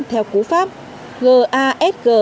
theo cú pháp gasg